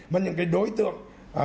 và những đối tượng